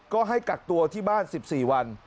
ก็ให้กักตัวที่บ้าน๑๔วัน